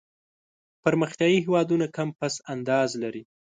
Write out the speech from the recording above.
پرمختیایي هېوادونه کم پس انداز لري.